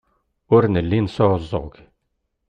Ur nelli nesɛuẓẓug.